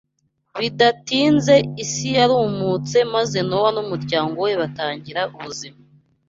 Bidatinze isi yarumutse maze Nowa n’umuryango we batangira ubuzima